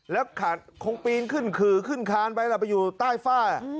และขานครองปีนขึ้นคืนขานไปแล้วไปอยู่ต้ายฟะ